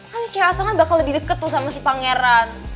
kasih cewek asongan bakal lebih deket tuh sama si pangeran